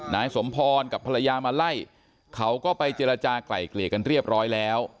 นายสมพรกับภรรยามาไล่เขาก็ไปเจรจากลายเกลี่ยกันเรียบร้อยแล้ว